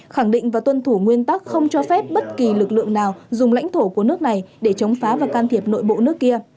khẳng định và tuân thủ nguyên tắc không cho phép bất kỳ lực lượng nào dùng lãnh thổ của nước này để chống phá và can thiệp nội bộ nước kia